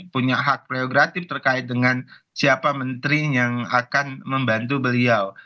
punya hak prerogatif terkait dengan siapa menteri yang akan membantu beliau